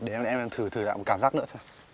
để em thử thử lại một cảm giác nữa